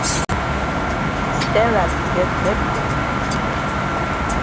Stella be get debt dem.